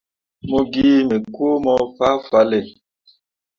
Mo gi me kuumo fah fale.